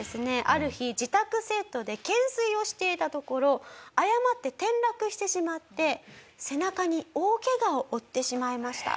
ある日自宅セットで懸垂をしていたところ誤って転落してしまって背中に大ケガを負ってしまいました。